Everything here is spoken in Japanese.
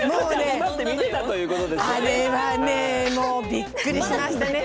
あれはねもうびっくりしましたね。